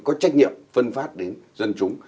có trách nhiệm phân phát đến dân chúng